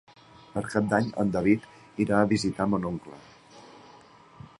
Per Cap d'Any en David irà a visitar mon oncle.